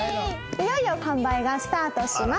いよいよ販売がスタートします。